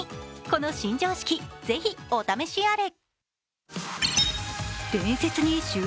この新常識、ぜひ、お試しあれ。